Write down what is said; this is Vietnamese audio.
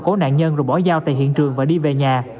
bà thao cố nạn nhân rồi bỏ giao tại hiện trường và đi về nhà